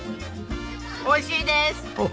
美味しいです！